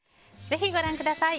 ぜひご覧ください。